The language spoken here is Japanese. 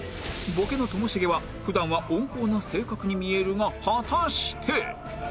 ボケのともしげは普段は温厚な性格に見えるが果たして